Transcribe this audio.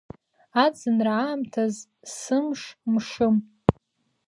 Аӡынра аамҭаз сымш мшым…